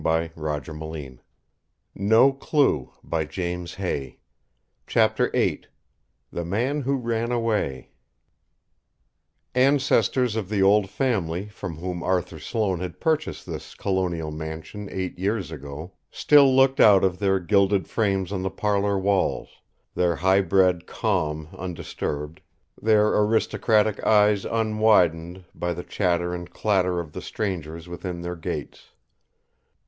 "Are you working on that" he hesitated hardly perceptibly "idea?" VIII THE MAN WHO RAN AWAY Ancestors of the old family from whom Arthur Sloane had purchased this colonial mansion eight years ago still looked out of their gilded frames on the parlour walls, their high bred calm undisturbed, their aristocratic eyes unwidened, by the chatter and clatter of the strangers within their gates.